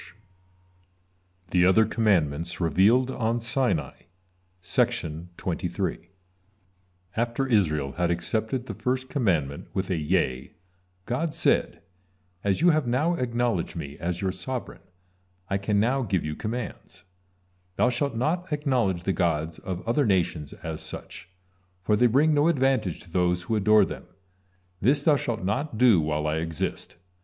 THE OTHER COMMANDMENTS REVEALED ON SINAI After Israel had accepted the first commandment with a "Yea," God said: "As you have now acknowledged Me as you sovereign, I can now give you commands: Thou shalt not acknowledge the gods of other nations as such, for they bring no advantage to those who adore them; this thou shalt not do while I exist.